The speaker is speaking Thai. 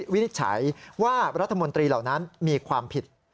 ว่ารัฐมนตรีเหล่านั้นมีความผิด